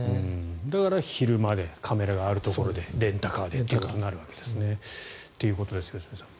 だから昼間でカメラがあるところでレンタカーとなるわけですね。ということですが良純さん。